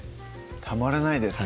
たまらないですね